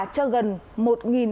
cho gần một hai trăm linh hộ nghèo